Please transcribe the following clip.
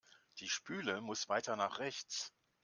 Die Spüle muss weiter nach rechts.